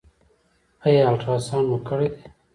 ایا الټراساونډ مو کړی دی؟